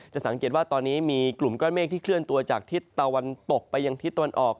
สังเกตว่าตอนนี้มีกลุ่มก้อนเมฆที่เคลื่อนตัวจากทิศตะวันตกไปยังทิศตะวันออก